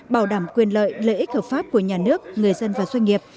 bảo đảm quyền lợi lợi ích hợp pháp của nhà nước người dân và doanh nghiệp